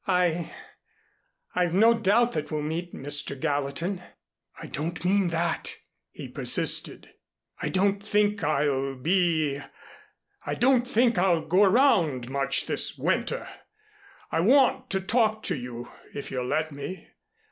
"I I've no doubt that we'll meet, Mr. Gallatin." "I don't mean that," he persisted. "I don't think I'll be I don't think I'll go around much this winter. I want to talk to you, if you'll let me.